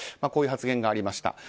こういう発言がありました。